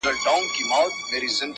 o اوښ په خپلو متيازو کي خويېږي!